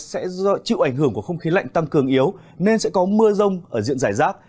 sẽ do chịu ảnh hưởng của không khí lạnh tăng cường yếu nên sẽ có mưa rông ở diện giải rác